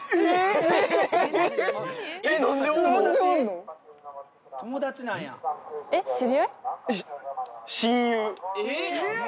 えっ？